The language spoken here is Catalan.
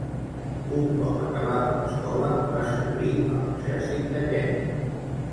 Un cop acabada l'escola, va servir a l'Exèrcit de Kenya.